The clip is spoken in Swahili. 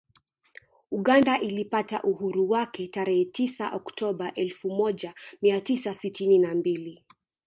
Uganda ilipata uhuru wake tarehe tisa Oktoba elfu moja mia tisa sitini na mbili